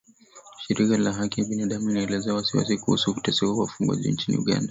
Shirika la haki za binadam inaelezea wasiwasi kuhusu kuteswa wafungwa nchini Uganda